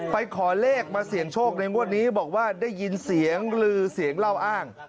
ขอเลขมาเสี่ยงโชคในงวดนี้บอกว่าได้ยินเสียงลือเสียงเล่าอ้าง